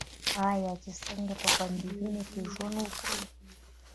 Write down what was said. آیا چې څنګه په بندیزونو کې ژوند وکړو؟